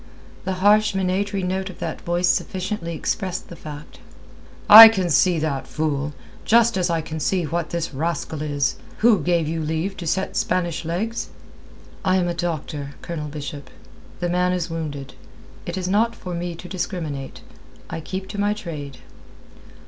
The harsh, minatory note of that voice sufficiently expressed the fact. "I can see that, fool; just as I can see what the rascal is. Who gave you leave to set Spanish legs?" "I am a doctor, Colonel Bishop. The man is wounded. It is not for me to discriminate. I keep to my trade."